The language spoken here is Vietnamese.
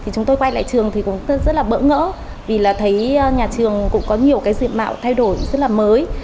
chúng tôi quay lại trường thì cũng rất là bỡ ngỡ vì thấy nhà trường cũng có nhiều diện mạo thay đổi rất là mới